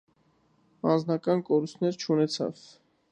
Անձնակազմը կորուստներ չունեցավ։